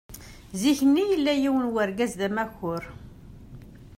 Zik-nni yella yiwen n urgaz d amakur.